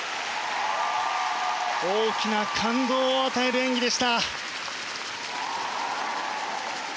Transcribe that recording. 大きな感動を与える演技でした。